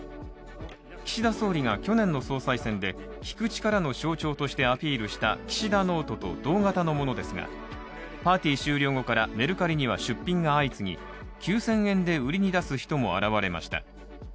岸田総理が去年の総裁選で、聞く力の象徴としてアピールした岸田ノートと同型のものですが、パーティー終了後から、メルカリには出品が相次ぎ、９０００円で売りに出す人も現れました。